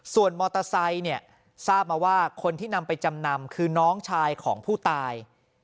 ส่วนมอเตอร์ไซค์เนี่ยทราบมาว่าคนที่นำไปจำนำคือน้องชายของผู้ตาย